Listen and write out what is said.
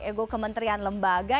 ego kementerian lembaga